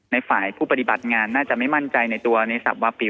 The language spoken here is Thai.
ในฝ่ายผู้ปฏิบัติงานน่าจะไม่มั่นใจในตัวในสับวาปี